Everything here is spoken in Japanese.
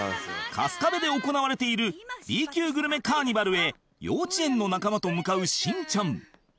春日部で行われている Ｂ 級グルメカーニバルへ幼稚園の仲間と向かうしんちゃん